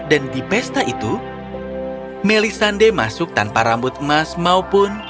dan di pesta itu melisande masuk tanpa rambut emas maupun topi sutera